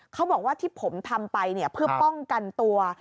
เขาบอกว่าที่ผมทำไปเนี่ยเพื่อป้องกันตัว